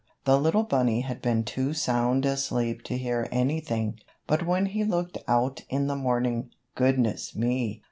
The little bunny had been too sound asleep to hear anything, but when he looked out in the morning, goodness me!